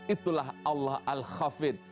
itulah allah al khafid